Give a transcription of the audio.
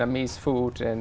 cảm ơn các bạn